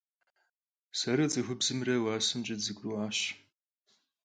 Sere ts'ıxubzımre vuasemç'e dızegurı'uaş.